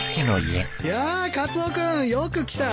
やあカツオ君よく来た。